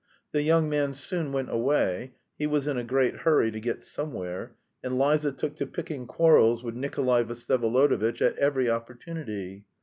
The young man soon went away (he was in a great hurry to get somewhere) and Liza took to picking quarrels with Nikolay Vsyevolodovitch at every opportunity.